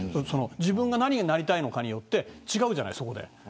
自分が何になりたいのかによってそこで違うじゃない。